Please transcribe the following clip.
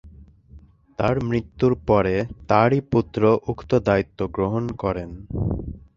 তার মৃত্যুর পরে তারই পুত্র উক্ত দায়িত্ব গ্রহণ করেন।